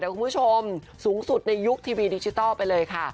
คุณผู้ชมสูงสุดในยุคทีวีดิจิทัลไปเลยค่ะ